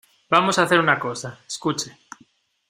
vamos a hacer una cosa. escuche .